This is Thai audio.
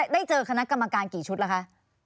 ได้เจอคณะกรรมการกี่ชุดแล้วคะ